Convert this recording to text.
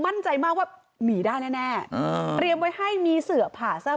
มั่นใจมากว่าหนีได้แน่แน่อ่าเตรียมไว้ให้มีเสือผ่าซะ